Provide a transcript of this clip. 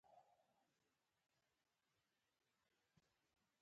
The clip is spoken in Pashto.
يوه ورځ چې کور ته ورغلم.